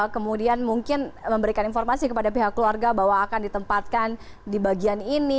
kemudian mungkin memberikan informasi kepada pihak keluarga bahwa akan ditempatkan di bagian ini